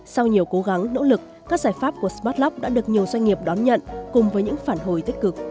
sau nhiều cố gắng nỗ lực các giải pháp của smartlock đã được nhiều doanh nghiệp đón nhận cùng với những phản hồi tích cực